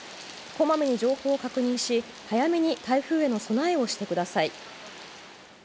こまめに情報を確認し、早めに台風への備えをしてください。